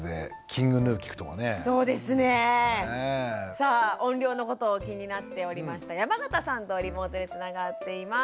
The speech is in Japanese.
さあ音量のことを気になっておりました山形さんとリモートでつながっています。